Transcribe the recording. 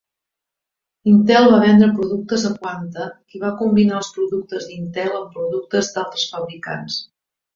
Intel va vendre productes a Quanta, qui va combinar els productes d"Intel amb productes d"altres fabricants.